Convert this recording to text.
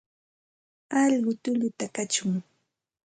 Alqu tulluta kachun.